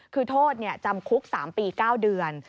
คือโทษจำคุก๓ปี๙เดือน